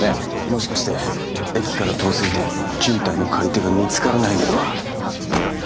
もしかして駅から遠すぎて賃貸の借り手が見つからないのでは？